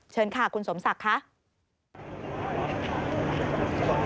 เชิญค่ะคุณสมศักดิ์ค่ะ